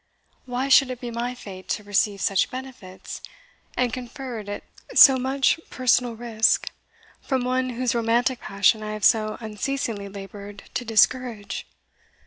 "Why should it be my fate to receive such benefits, and conferred at so much personal risk, from one whose romantic passion I have so unceasingly laboured to discourage?